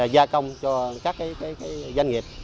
gia công cho các doanh nghiệp